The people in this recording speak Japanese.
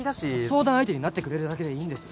相談相手になってくれるだけでいいんです